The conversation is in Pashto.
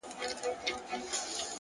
ارامتیا د درک له ژورتیا پیدا کېږي،